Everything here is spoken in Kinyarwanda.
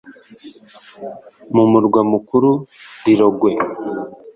mu murwa mukuru Lilongwe